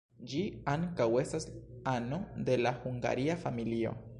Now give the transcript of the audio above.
Ĝi ankaŭ estas ano de la Hungaria familio.